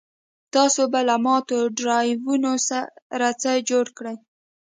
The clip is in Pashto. تاسو به له ماتو ډرایوونو سره څه جوړ کړئ